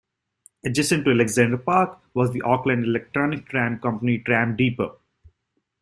Adjacent to Alexandra Park was the Auckland Electric Tram Company tram depot.